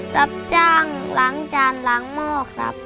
รับจ้างล้างจานล้างหม้อครับ